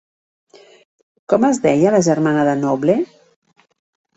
Com es deia la germana de Noble?